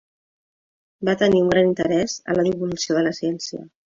Va tenir un gran interès en la divulgació de la ciència.